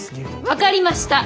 分かりました。